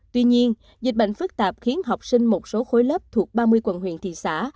tuy nhiên dịch bệnh phức tạp khiến học sinh một số khối lớp thuộc ba mươi quận huyện thị xã